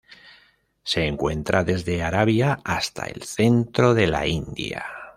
Se encuentra desde Arabia hasta el centro de la India.